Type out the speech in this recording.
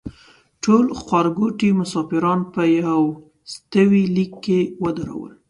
ټول خوارکوټي مسافران په یوستوي لیک کې ودرول.